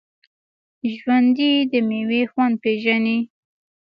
ژوندي د میوې خوند پېژني